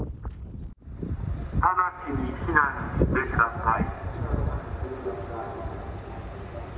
直ちに避難してください。